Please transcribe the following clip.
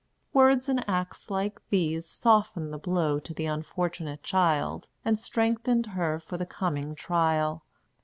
Words and acts like these softened the blow to the unfortunate child, and strengthened her for the coming trial.